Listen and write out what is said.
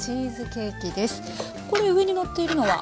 これ上にのっているのは？